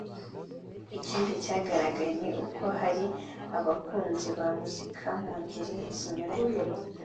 Ikindi cyagaragaye ni uko hari abakunzi ba muzika mu ngeri zinyuranye